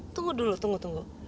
tunggu dulu tunggu